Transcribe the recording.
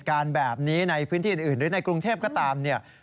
การแบบนี้ในพื้นที่อื่นหรือในกรุงเทพก็ตามเนี่ย